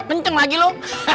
kenceng lagi lo